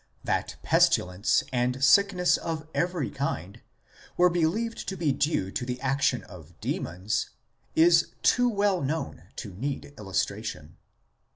That pestilence, and sickness of every kind, were believed to be due to the action of demons is too well known to need illustration.